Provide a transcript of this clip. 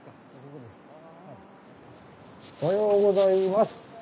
おはようございます。